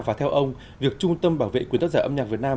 và theo ông việc trung tâm bảo vệ quyền tác giả âm nhạc việt nam